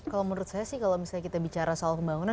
kalau menurut saya sih kalau misalnya kita bicara soal pembangunan